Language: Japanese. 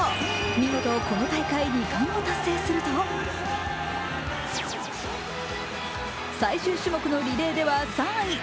見事この大会２冠を達成すると最終種目のリレーでは３位。